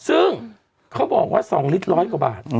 ซึ่งเขาบอกว่า๒ลิตรร้อยกว่าบาท